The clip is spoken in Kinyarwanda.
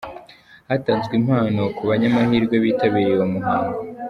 Hatanzwe impano ku banyamahirwe bitabiriye uwo muhango.